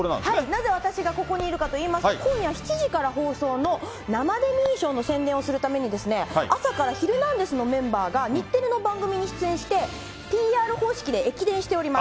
なぜ私がここにいるかといいますと、今夜７時から放送の、生デミー賞の宣伝をするために、朝からヒルナンデス！のメンバーが日テレの番組に出演して、ＰＲ方式で駅伝しております。